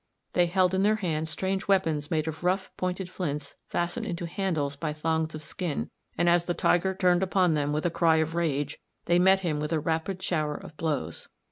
They held in their hands strange weapons made of rough pointed flints fastened into handles by thongs of skin, and as the tiger turned upon them with a cry of rage they met him with a rapid shower of blows.